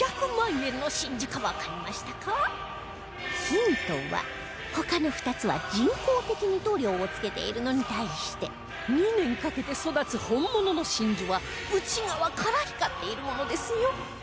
ヒントは他の２つは人工的に塗料をつけているのに対して２年かけて育つ本物の真珠は内側から光っているものですよ